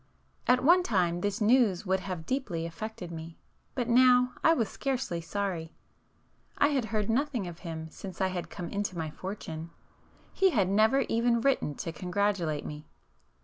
At one time this news would have deeply affected me, but now, I was scarcely sorry. I had heard nothing of him since I had come into my fortune,—he had never even written to congratulate me.